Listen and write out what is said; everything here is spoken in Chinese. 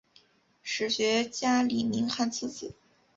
史学家李铭汉次子。